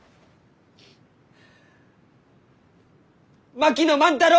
槙野万太郎！